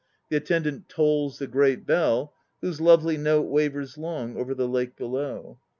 The attendant tolls the great bell, whose lovely note wavers long over the lake below.